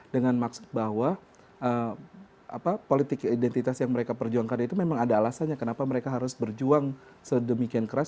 dengan maksud bahwa politik identitas yang mereka perjuangkan itu memang ada alasannya kenapa mereka harus berjuang sedemikian keras